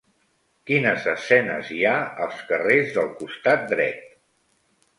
Quines escenes hi ha als carrers del costat dret?